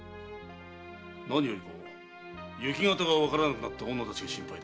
何よりも行方がわからなくなった女たちが心配だ。